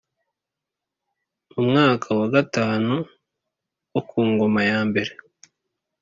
Mu mwaka wa gatanu wo ku ngoma yambere